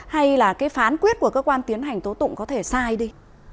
hay là cái phán quyết của cơ quan tiến hành tố tụng có thể sai đi